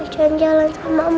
jangan jalan sama mbak nino